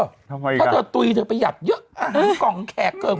เพราะตัวตุรีจะประหยัดเยอะโรงกองแขกเกิง